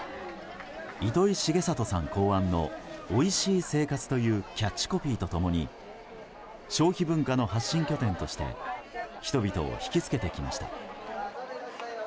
糸井重里さん考案の「おいしい生活。」というキャッチコピーと共に消費文化の発信拠点として人々を引き付けてきました。